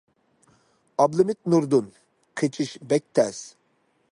ئابلىمىت نۇردۇن: قېچىش بەك تەس.